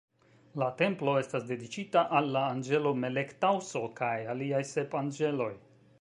La templo estas dediĉita al la anĝelo Melek-Taŭso kaj aliaj sep anĝeloj.